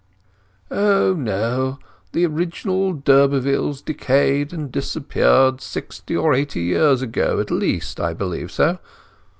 "O no. The original d'Urbervilles decayed and disappeared sixty or eighty years ago—at least, I believe so.